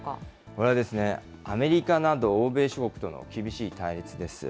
これは、アメリカなど欧米諸国との厳しい対立です。